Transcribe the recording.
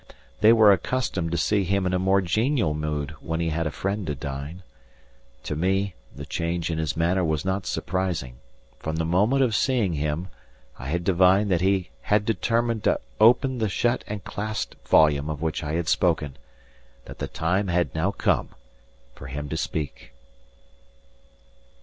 They were accustomed to see him in a more genial mood when he had a friend to dine. To me the change in his manner was not surprising: from the moment of seeing him I had divined that he had determined to open the shut and clasped volume of which I had spoken that the time had now come for him to speak.